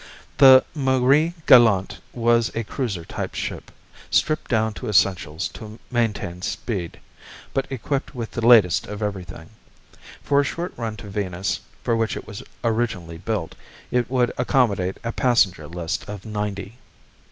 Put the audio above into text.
The Marie Galante was a cruiser type ship, stripped down to essentials to maintain speed, but equipped with the latest of everything. For a short run to Venus, for which it was originally built, it would accommodate a passenger list of ninety.